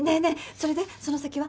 それでその先は？